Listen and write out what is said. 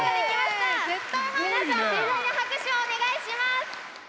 皆さん盛大な拍手をお願いします！